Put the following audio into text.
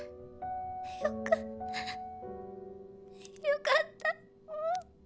よかったよかったクゥ